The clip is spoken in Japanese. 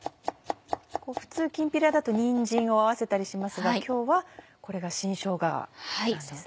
普通きんぴらだとにんじんを合わせたりしますが今日はこれが新しょうがなんですね。